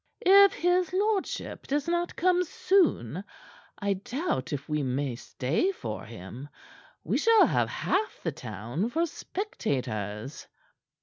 "If his lordship does not come soon, I doubt if we may stay for him. We shall have half the town for spectators."